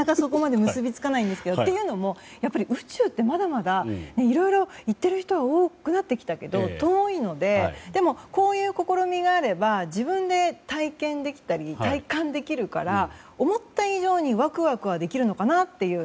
というのも、宇宙ってまだまだいろいろ行っている人は多くなってきたけど遠いので、こういう試みがあれば自分で体験できたり体感できるから思った以上にワクワクはできるのかなと。